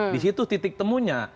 disitu titik temunya